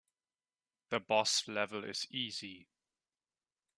The boss level is easy.